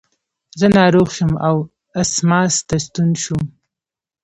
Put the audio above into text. زه ناروغ شوم او اسماس ته ستون شوم.